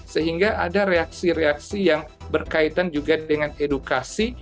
sehingga ada reaksi reaksi yang berkaitan juga dengan edukasi